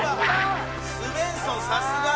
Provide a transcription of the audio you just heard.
スヴェンソンさすが！